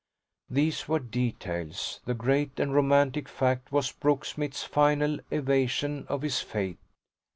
These were details; the great and romantic fact was Brooksmith's final evasion of his fate.